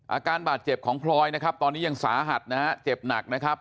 อาการบาดเจ็บของพลอยนะครับตอนนี้ยังสาหัสนะฮะเจ็บหนักนะครับ